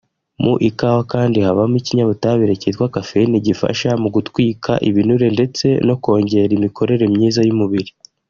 Mu ikawa kandi habamo ikinyabutabire kitwa Caffeine gifasha mu gutwika ibinure ndetse no kongera imikorere myiza y’umubiri